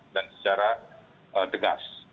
dan secara degas